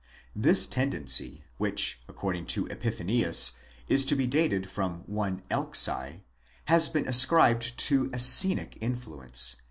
This tendency, which according to Epiphanius is to be dated from one Elxai, has been as cribed to Essenic influence